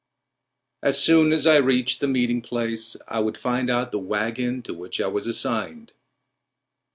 As soon as I reached the meeting place I would find out the wagon to which I was assigned.